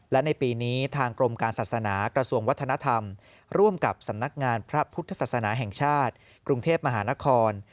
และในปีนี้ทางกรมการศาสนากระทรวงวัฒนธรรมร่วมกับสำนักงานพระพุทธศาสนาแห่งชาติกรุงเทพมหานคร